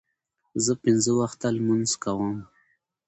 زه پنځه وخته لمونځ کوم.